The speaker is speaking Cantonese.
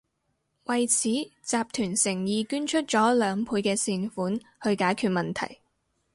為此，集團誠意捐出咗兩倍嘅善款去解決問題